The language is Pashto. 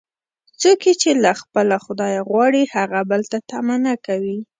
څوک یې چې له خپله خدایه غواړي، هغه بل ته طمعه نه کوي.